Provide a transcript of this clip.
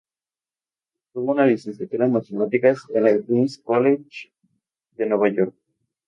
Obtuvo una licenciatura en Matemáticas en el Queens College de Nueva York.